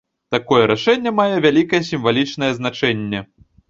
Такое рашэнне мае вялікае сімвалічнае значэнне.